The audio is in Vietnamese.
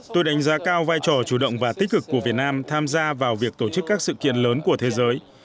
tôi đánh giá cao vai trò chủ động và tích cực của việt nam tham gia vào việc tổ chức các sự kiện lớn của thế giới